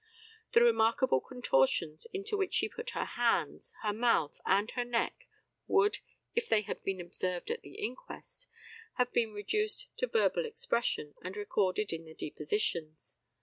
The remarkable contortions into which she put her hands, her mouth, and her neck would, if they had been observed at the inquest, have been reduced to verbal expression, and recorded in the depositions.